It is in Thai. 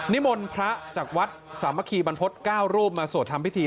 นิมนต์พระจากวัดสามัคคีบรรพฤษ๙รูปมาสวดทำพิธี